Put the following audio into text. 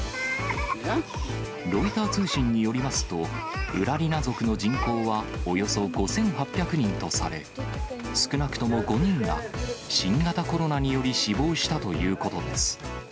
ロイター通信によりますと、ウラリナ族の人口はおよそ５８００人とされ、少なくとも５人が新型コロナにより死亡したということです。